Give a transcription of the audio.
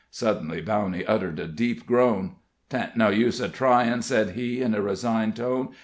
Suddenly Bowney uttered a deep groan. "'Tain't no use a tryin'," said he, in a resigned tone.